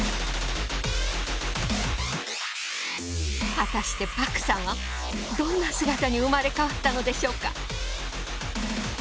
果たしてパクさんはどんな姿に生まれ変わったのでしょうか。